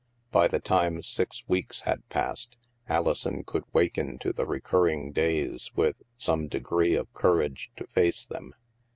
By the time six weeks had passed, Alison could waken to the recurring days with some degree of courage to face them.